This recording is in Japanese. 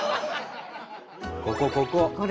ここここ！